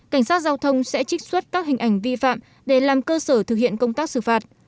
cảnh sát giao thông sẽ trích xuất các hình ảnh vi phạm để làm cơ sở thực hiện công tác xử phạt